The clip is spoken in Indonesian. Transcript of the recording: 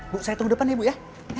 bu saya tunggu depan ya bu ya